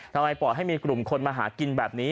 ปล่อยให้มีกลุ่มคนมาหากินแบบนี้